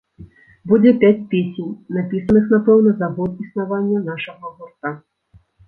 Будзе пяць песень, напісаных, напэўна, за год існавання нашага гурта.